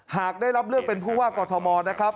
หากได้รับเลือกเป็นผู้ว่ากอทมนะครับ